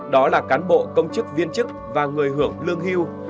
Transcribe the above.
đó là cán bộ công chức viên chức và người hưởng lương hưu